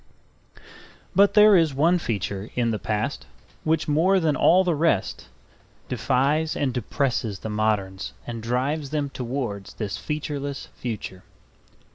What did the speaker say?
But there is one feature in the past which more than all the rest defies and depresses the moderns and drives them towards this featureless future.